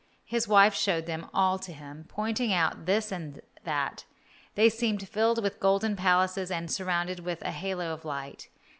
His wife showed them all to him, pointing out this and that. They seemed filled with golden palaces and surrounded with a halo of light.